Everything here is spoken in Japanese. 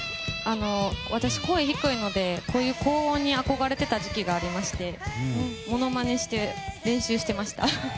私、声低いのでこういう高音に憧れていた時期がありましてものまねして練習していました。